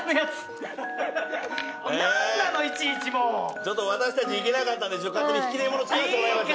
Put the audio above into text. ちょっと私たち行けなかったんで勝手に引き出物作らせてもらいました。